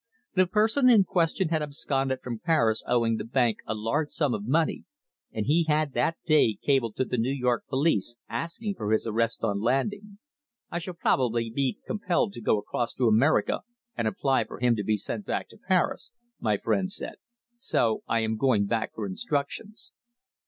The person in question had absconded from Paris owing the bank a large sum of money, and he had that day cabled to the New York police asking for his arrest on landing. "I shall probably be compelled to go across to America and apply for him to be sent back to Paris," my friend said, "so I am going back for instructions."